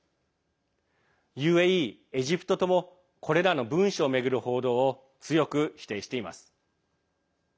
ＵＡＥ、エジプトともこれらの文書を巡る報道を強く否定しています。